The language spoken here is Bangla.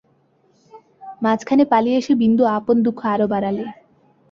মাঝখানে পালিয়ে এসে বিন্দু আপন দুঃখ আরও বাড়ালে।